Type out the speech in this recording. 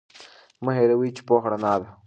مه هیروئ چې پوهه رڼا ده.